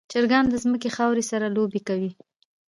چرګان د ځمکې خاورې سره لوبې کوي.